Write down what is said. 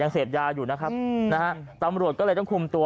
เสพยาอยู่นะครับนะฮะตำรวจก็เลยต้องคุมตัว